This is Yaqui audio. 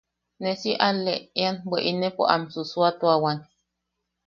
Ne si alleʼean bwe ne inepo am susuuatuawan.